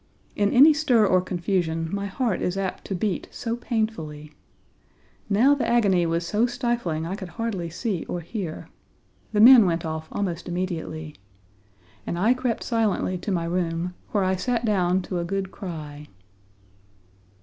In any stir or confusion my heart is apt to beat so painfully. Now the agony was so stifling I could hardly see or hear. The men went off almost immediately. And I crept silently to my room, where I sat down to a good cry.